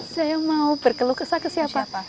saya mau berkeluh kesal ke siapa